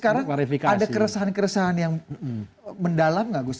kondisi sekarang ada keresahan keresahan yang mendalam nggak gus